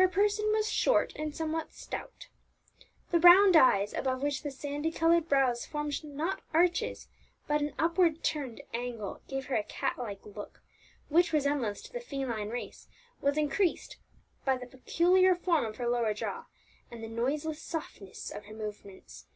Her person was short and somewhat stout. The round eyes, above which the sandy coloured brows formed not arches but an upward turned angle, gave her a cat like look, which resemblance to the feline race was increased by the peculiar form of her lower jaw, and the noiseless softness of her movements.